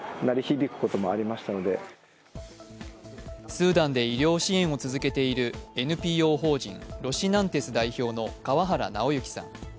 スーダンで医療支援を続けているＮＰＯ法人ロシナンテス代表の川原尚行さん。